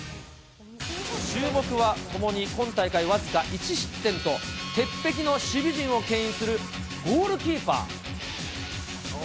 注目はともに、今大会僅か１失点と鉄壁な守備陣をけん引するゴールキーパー。